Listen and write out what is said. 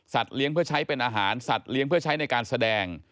เลี้ยงเพื่อใช้เป็นอาหารสัตว์เลี้ยงเพื่อใช้ในการแสดง